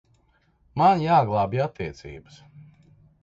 Man jāglābj attiecības.